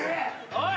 おい！